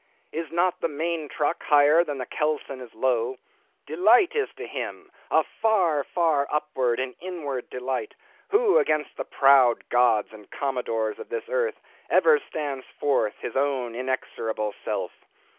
Is not the main truck higher than the kelson is low? Delight is to him—a far, far upward, and inward delight—who against the proud gods and commodores of this earth, ever stands forth his own inexorable self.